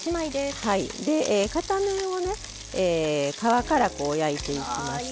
片面をね皮からこう焼いていきまして。